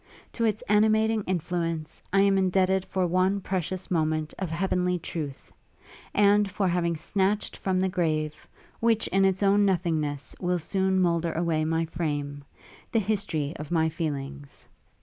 To its animating influence I am indebted for one precious moment of heavenly truth; and for having snatched from the grave, which in its own nothingness will soon moulder away my frame, the history of my feelings.